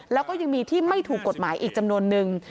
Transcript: แล้วก็ยังมีที่ไม่ถูกกฎหมายอีกจำนวนนึง